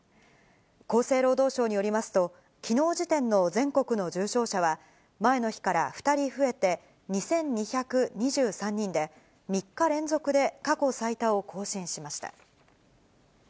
厚生労働省によりますと、きのう時点の全国の重症者は、前の日から２人増えて２２２３人で、３日連続で過去最多を更新しました。